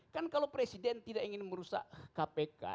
kan kalau presiden tidak ingin merusak kpk